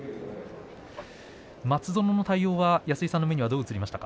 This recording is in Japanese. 松園の対応は、安井さんの目にはどう映りましたか。